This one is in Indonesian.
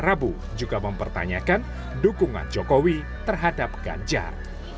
rabu juga mempertanyakan dukungan jokowi terhadap ganjar